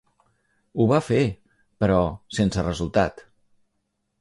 Ho va fer, però sense resultat.